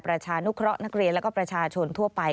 ประชานุเคราะห์นักเรียนและก็ประชาชนทั่วไป